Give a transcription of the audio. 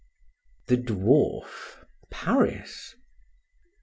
THE DWARF. PARIS.